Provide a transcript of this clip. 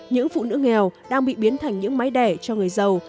những phụ nữ nghèo đang bị biến thành những máy đẻ cho người giàu